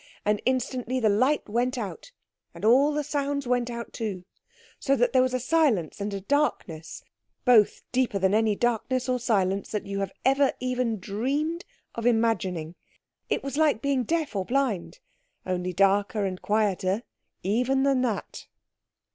And instantly the light went out, and all the sounds went out too, so that there was a silence and a darkness, both deeper than any darkness or silence that you have ever even dreamed of imagining. It was like being deaf or blind, only darker and quieter even than that.